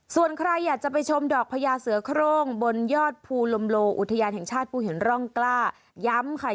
ส่วนใครอยากจะไปชมดอกพญาเสือโครงบนยอดภูลมโลอุทยานแห่งชาติภูหินร่องกล้าย้ำค่ะ